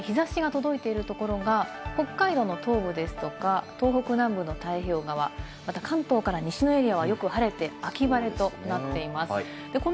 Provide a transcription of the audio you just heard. こちら衛星画像なんですが、現在、日差しが届いているところが北海道の東部ですとか、東北南部の太平洋側、また関東から西のエリアはよく晴れて秋晴れとなっています。